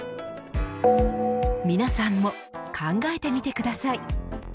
皆さんも考えてみてください。